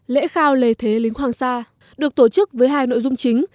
lễ khao lề thế lính hoàng sa được tổ chức với hai nội dung chính